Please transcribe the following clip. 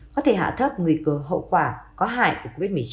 có thể hạ thấp nguy cơ hậu quả có hại của covid một mươi chín